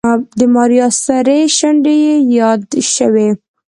د ماريا سرې شونډې يې يادې شوې.